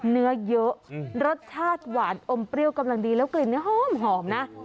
เนื้อเยอะรสชาติหวานอมเปรี้ยวกำลังดีแล้วกลิ่นนี้หอมนะ